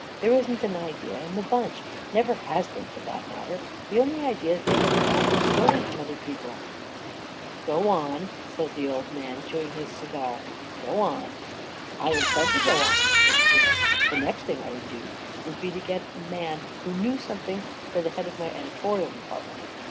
There isn't an idea in the bunch — never has been, for that matter. The only ideas they've ever had, they've stolen from other people !"" Go on !" says the old man, chewing his cigar. "Goon!" 44 I intend to go on," says Creel. " The next thing I would do would be to get a man who knew something for the head of my editorial department.